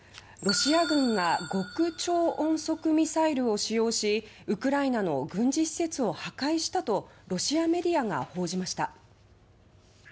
ロシア軍が極超音速ミサイルを使用しウクライナの軍事施設を破壊したとロシアメディアが報じました。